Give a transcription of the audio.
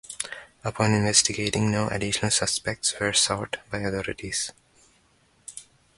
Upon investigating, no additional suspects were sought by authorities.